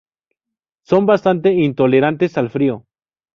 Son bastante intolerantes al frío.